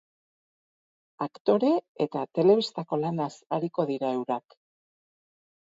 Aktore eta telebistako lanaz ariko dira eurak.